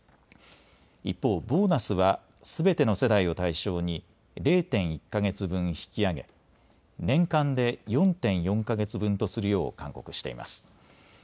一方、ボーナスはすべての世代を対象に０．１か月分、引き上げ年間で４．４か月分とするよう勧告しています。